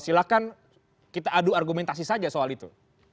silahkan kita adu argumentasi saja soal itu